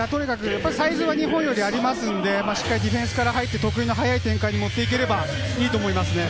サイズも日本よりあるので、ディフェンスから入って、得意の早い展開に持っていければいいと思います。